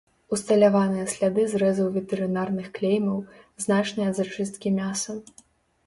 Усталяваныя сляды зрэзаў ветэрынарных клеймаў, значныя зачысткі мяса.